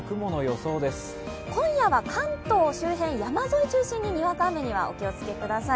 今夜は関東周辺、山沿い中心ににわか雨にご注意ください。